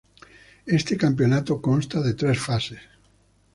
Este campeonato consta de tres fases.